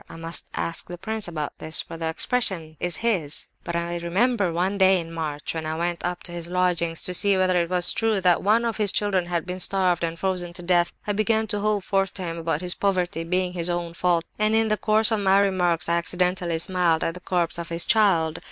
I must ask the prince about this, for the expression is his.) But I remember one day in March, when I went up to his lodgings to see whether it was true that one of his children had been starved and frozen to death, I began to hold forth to him about his poverty being his own fault, and, in the course of my remarks, I accidentally smiled at the corpse of his child.